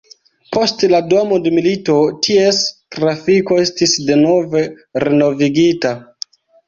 Post la dua mondmilito ties trafiko estis denove renovigita.